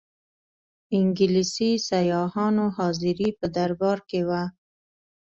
انګلیسي سیاحانو حاضري په دربار کې وه.